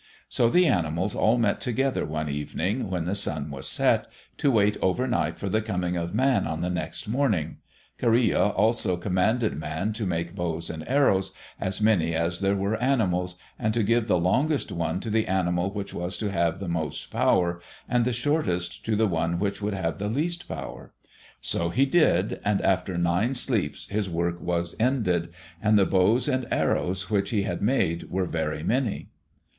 So the animals all met together one evening, when the sun was set, to wait overnight for the coming of Man on the next morning. Kareya also commanded Man to make bows and arrows, as many as there were animals, and to give the longest one to the animal which was to have the most power, and the shortest to the one which should have least power. So he did, and after nine sleeps his work was ended, and the bows and arrows which he had made were very many.